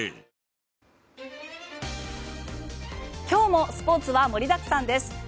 今日もスポーツは盛りだくさんです。